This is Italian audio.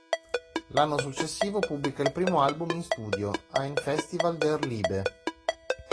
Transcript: L'anno successivo pubblica il primo album in studio, "Ein Festival der Liebe".